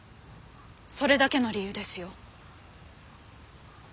それだけの理由ですよ。